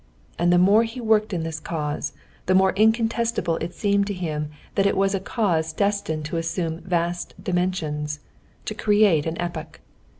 And the more he worked in this cause, the more incontestable it seemed to him that it was a cause destined to assume vast dimensions, to create an epoch.